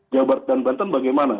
jawa barat dan banten bagaimana